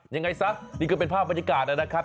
ยังไงซะนี่ก็เป็นภาพบรรยากาศนะครับ